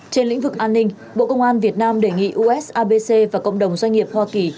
trên lĩnh vực an ninh bộ công an việt nam đề nghị usabc và cộng đồng doanh nghiệp hoa kỳ